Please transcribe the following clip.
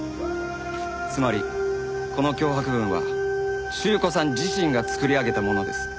つまりこの脅迫文は朱子さん自身が作り上げたものです。